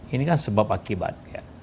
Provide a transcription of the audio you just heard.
ini kan sebab akibat